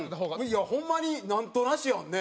蛍原：ホンマになんとなしやんね。